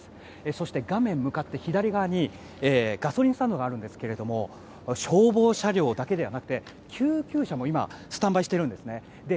そして、画面向かって左側にガソリンスタンドがあるんですが消防車両だけではなくて救急車も今スタンバイしているんですね。